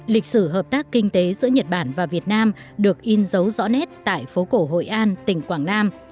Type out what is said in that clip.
lịch sử hợp tác kinh tế giữa nhật bản và việt nam được in dấu rõ nét tại phố cổ hội an tỉnh quảng nam